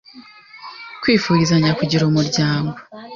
Kwifurizanya kugira umuryango